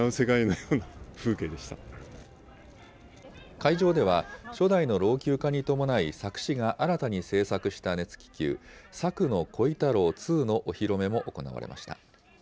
会場では、初代の老朽化に伴い佐久市が新たに制作した熱気球、佐久の鯉太郎２のお披露目も行われました。